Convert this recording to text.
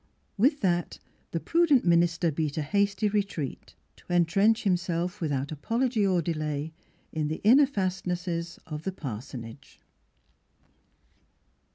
With that the prudent minister beat a hasty retreat, to entrench himself without apology or delay in the inner fastnesses of the parsonage.